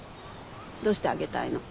どうしてあげたいの？